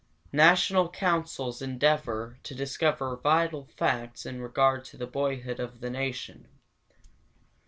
NATIONAL COUNCIL'S ENDEAVOR TO DISCOVER VITAL FACTS IN REGARD TO THE BOYHOOD OF THE NATION.